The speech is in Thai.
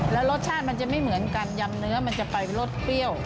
แล้วรสชาติมันจะไม่เหมือนกันยำเนื้อมันจะไปรสเปรี้ยว